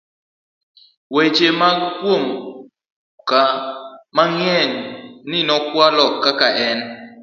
weche mag mon ka, ma ng'eny gi nokwal kaka en